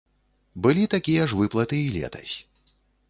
Былі такія ж выплаты і летась.